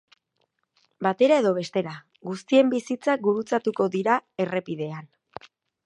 Batera edo bestera, guztien bizitzak gurutzatuko dira errepidean.